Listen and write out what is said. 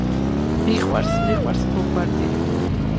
მიყვარს მიყვარს ბომბარდინი